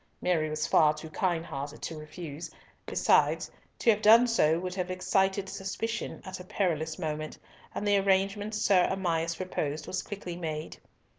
Mary was far too kind hearted to refuse, besides to have done so would have excited suspicion at a perilous moment, and the arrangement Sir Amias proposed was quickly made.